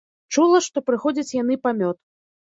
Чула, што прыходзяць яны па мёд.